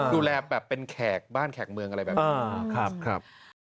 ดูแลแบบเป็นแขกบ้านแขกเมืองอะไรแบบนี้